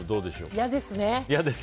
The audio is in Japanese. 嫌ですね。